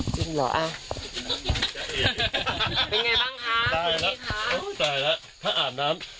จริงเหรออ่ะเป็นไงบ้างคะได้แล้วถ้าอาบน้ำ